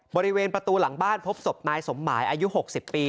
บริเวณประตูหลังบ้านพบศพนายสมหมายอายุ๖๐ปี